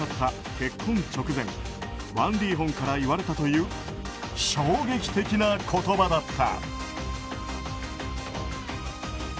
結婚直前ワン・リーホンから言われたという衝撃的な言葉だった。